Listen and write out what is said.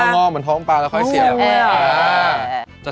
มันต้องหมนมันต้องหมนแล้วเสียบมา